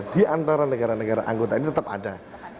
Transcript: di antara negara negara anggota ini tetap ada